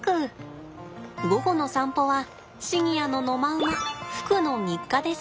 午後の散歩はシニアの野間馬福の日課です。